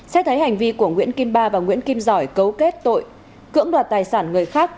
xét thấy hành vi của nguyễn kim ba và nguyễn kim giỏi cấu kết tội cưỡng đoạt tài sản người khác